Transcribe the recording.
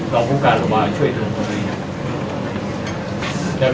เราผู้การระบาดจะช่วยทุกคนก็ได้นะครับ